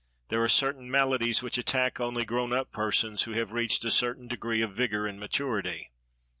There are certain maladies which attack only grown up persons who have reached a certain degree of vigor and maturity."